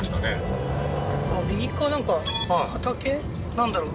なんだろう？